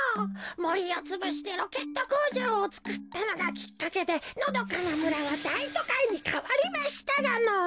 もりをつぶしてロケットこうじょうをつくったのがきっかけでのどかなむらはだいとかいにかわりましたがのぉ。